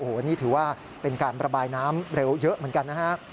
โอ้โหนี่ถือว่าเป็นการประบายน้ำเร็วเยอะเหมือนกันนะฮะ